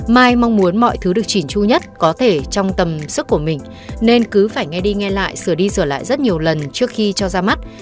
mai mong muốn mọi thứ được chỉn chu nhất có thể trong tầm sức của mình nên cứ phải nghe đi nghe lại sửa đi sửa lại rất nhiều lần trước khi cho ra mắt